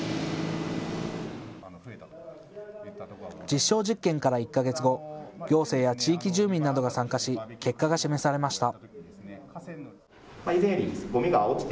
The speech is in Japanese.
実証実験から１か月後、行政や地域住民などが参加し結果が示されました。